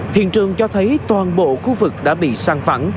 hiện trường cho thấy toàn bộ khu vực đã bị săn phẳng